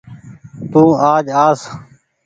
تو آج آس